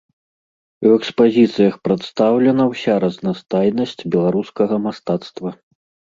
У экспазіцыях прадстаўлена ўся разнастайнасць беларускага мастацтва.